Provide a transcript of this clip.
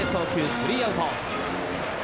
スリーアウト。